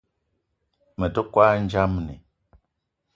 Me te kwal ndjamni